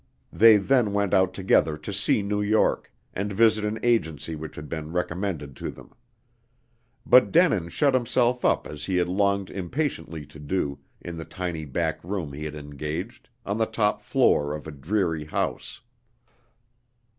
They then went out together to see New York, and visit an agency which had been recommended to them. But Denin shut himself up as he had longed impatiently to do, in the tiny back room he had engaged, on the top floor of a dreary house.